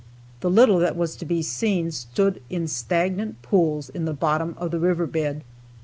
The little that was to be seen stood in stagnant pools in the bottom of the river bed.